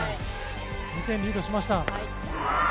２点リードしました。